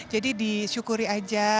jadi disyukuri aja